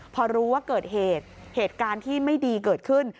พอรู้ว่าเกิดเหตุเหตุการณ์ที่ไม่ดีเกิดขึ้น